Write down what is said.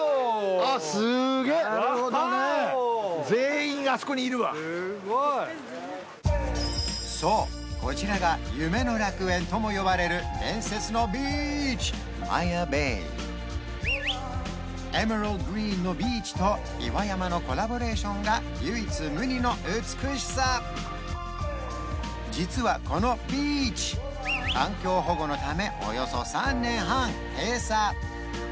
あっすげえなるほどね全員があそこにいるわそうこちらが夢の楽園とも呼ばれる伝説のビーチマヤベイエメラルドグリーンのビーチと岩山のコラボレーションが唯一無二の美しさ実はこのビーチ環境保護のためおよそ３年半閉鎖